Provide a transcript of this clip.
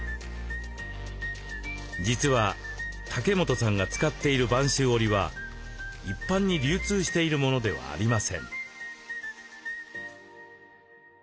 実は竹本さんが使っている播州織は一般に流通しているものではありません。